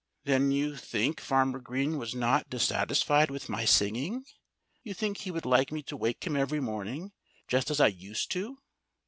"Then you think Farmer Green was not dissatisfied with my singing? You think he would like me to wake him every morning, just as I used to?"